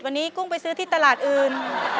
วันนี้กุ้งไปซื้อที่ตลาดอื่น